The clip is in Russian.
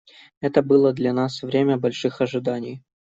Это было для нас время больших ожиданий.